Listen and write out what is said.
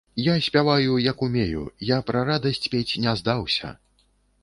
Я спяваю, як умею, я пра радасць пець не здаўся.